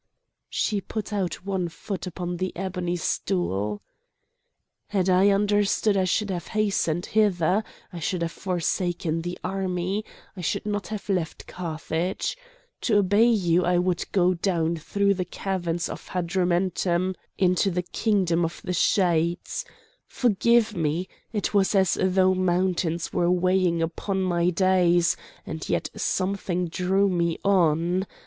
She put out one foot upon the ebony stool. "Had I understood I should have hastened hither, I should have forsaken the army, I should not have left Carthage. To obey you I would go down through the caverns of Hadrumetum into the kingdom of the shades!—Forgive me! it was as though mountains were weighing upon my days; and yet something drew me on!